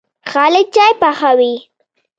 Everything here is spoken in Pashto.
خالد چايي پخوي.